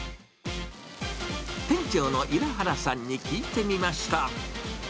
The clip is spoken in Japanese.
店長の伊良原さんに聞いてみました。